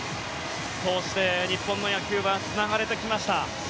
そして、日本の野球はつながれてきました。